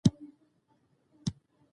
پښتو پر موږ ټولو حق لري.